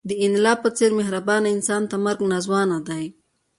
د انیلا په څېر مهربان انسان ته مرګ ناځوانه دی